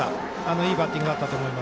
いいバッティングだったと思います。